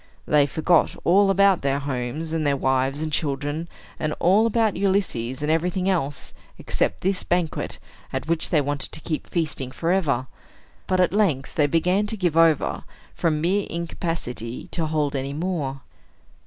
They forgot all about their homes, and their wives and children, and all about Ulysses, and everything else, except this banquet, at which they wanted to keep feasting forever. But at length they began to give over, from mere incapacity to hold any more.